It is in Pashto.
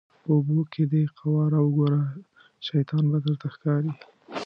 په اوبو کې دې قواره وګوره شیطان به درته ښکاري.